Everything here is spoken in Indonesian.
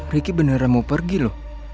ricky beneran mau pergi loh